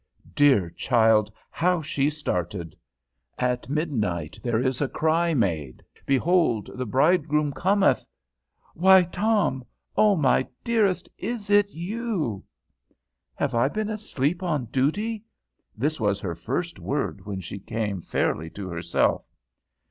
Dear child! How she started, "At midnight there is a cry made, Behold, the bridegroom cometh," "Why, Tom! Oh! my dearest, is it you?" "Have I been asleep on duty?" This was her first word when she came fairly to herself.